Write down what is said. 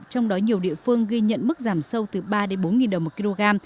trong đó nhiều địa phương ghi nhận mức giảm sâu từ ba bốn đồng một kg